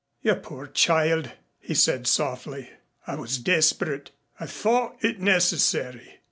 "You poor child," he said softly. "I was desperate. I thought it necessary.